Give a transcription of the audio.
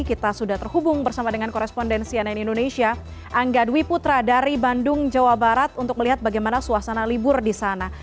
kita sudah terhubung bersama dengan korespondensi ann indonesia angga dwi putra dari bandung jawa barat untuk melihat bagaimana suasana libur di sana